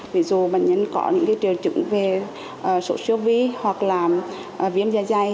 ví dụ bệnh nhân có những triều chứng về sổ siêu ví hoặc là viêm da dây